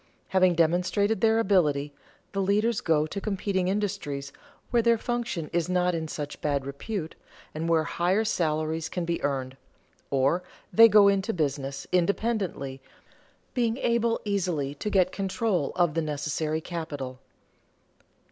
Having demonstrated their ability, the leaders go to competing industries where their function is not in such bad repute, and where higher salaries can be earned; or they go into business independently, being able easily to get control of the necessary capital.